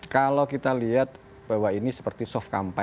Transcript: kalau kita lihat bahwa ini seperti soft kampanye